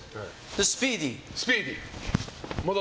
スピーディーに。